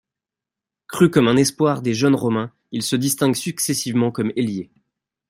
Crû comme un espoir des jeunes Romains, il se distingue successivement comme ailier.